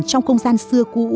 trong công gian xưa cũ